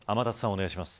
お願いします。